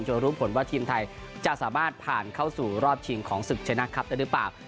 รู้ผลว่าทีมไทยจะสามารถผ่านเข้าสู่รอบชิงของศึกชนะครับได้หรือเปล่า